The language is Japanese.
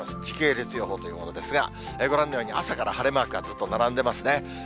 時系列予報というものですが、ご覧のように、朝から晴れマークがずっと並んでますね。